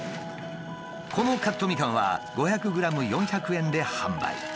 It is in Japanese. このカットみかんは５００ｇ４００円で販売。